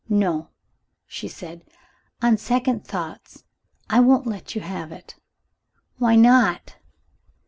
"No," she said. "On second thoughts, I won't let you have it." "Why not?"